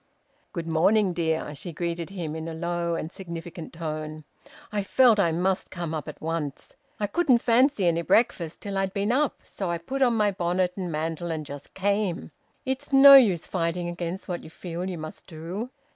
"Good morning, dear," she greeted him in a low and significant tone. "I felt I must come up at once. I couldn't fancy any breakfast till I'd been up, so I put on my bonnet and mantle and just came. It's no use fighting against what you feel you must do."